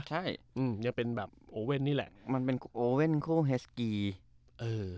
ใช่อืมเนี้ยเป็นแบบนี่แหละมันเป็นโอเว่นคู่เฮสกีเออ